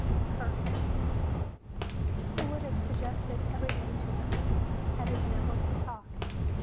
courage !" He would have suggested everything to us, had he been able to talk.